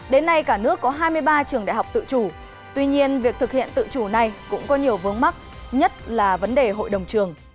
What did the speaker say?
đến nay cả nước có hai mươi ba trường đại học tự chủ tuy nhiên việc thực hiện tự chủ này cũng có nhiều vướng mắt nhất là vấn đề hội đồng trường